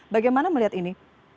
bagaimana melihat ini